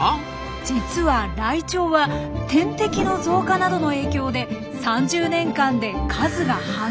実はライチョウは天敵の増加などの影響で３０年間で数が半減。